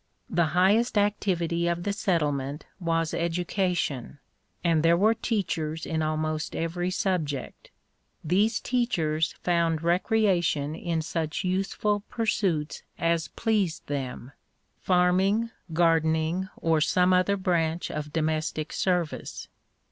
The highest activity of the settle* ment was education, and there were teachers in almost every subject. These teachers found recreation in such useful pursuits as pleased them — ^farming, gardening, or some other branch of domestic service.